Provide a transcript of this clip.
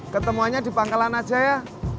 ketemuannya di pangkalan aja ya